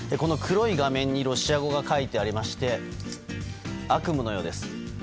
黒い画面にロシア語が書いてありまして悪夢のようです。